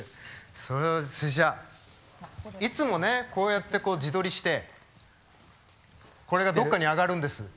いつもねこうやってこう自撮りしてこれがどっかにあがるんです。